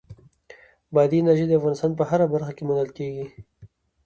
بادي انرژي د افغانستان په هره برخه کې موندل کېږي.